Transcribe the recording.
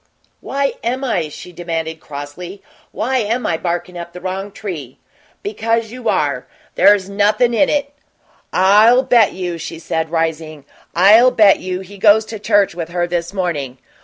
"Why am I?" she demanded, crossly. "Why am I barkin' up the wrong tree?" "Because you are. There's nothin' in it." "I'll bet you," she said, rising "I'll bet you he goes to church with her this morning.